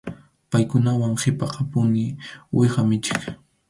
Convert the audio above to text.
Paykunawan qhipakapuni uwiha michiq.